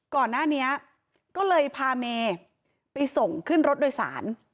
ก่อนหน้านี้ก็เลยพาเมย์ไปส่งขึ้นรถโดยสาร